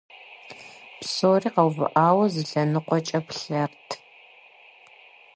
Псори къэувыӀауэ зы лъэныкъуэкӀэ плъэрт.